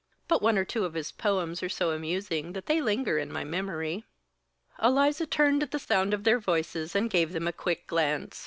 "But one or two of his poems are so amusing that they linger in my memory." Eliza turned at the sound of their voices and gave them a quick glance.